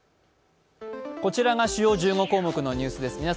こちらが主要１５項目のニュースです。